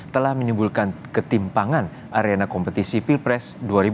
telah menimbulkan ketimpangan arena kompetisi pilpres dua ribu dua puluh